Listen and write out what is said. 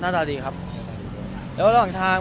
ตาดีครับแล้วระหว่างทาง